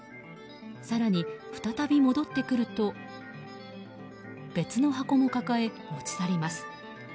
更に再び戻ってくると別の箱も抱え、持ち去ります。